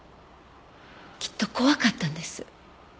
きっと怖かったんです。